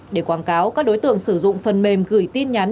để quảng cáo các đối tượng sử dụng phần mềm gửi tin nhắn